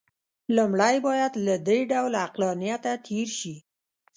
لومړی باید له دې ډول عقلانیته تېر شي.